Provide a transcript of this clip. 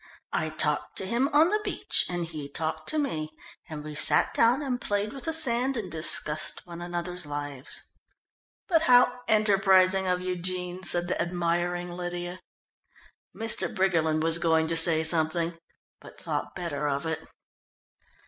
I talked to him on the beach and he talked to me, and we sat down and played with the sand and discussed one another's lives." "But how enterprising of you, Jean," said the admiring Lydia. Mr. Briggerland was going to say something, but thought better of it.